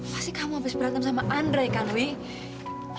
pasti kamu habis berantem sama andre kan wih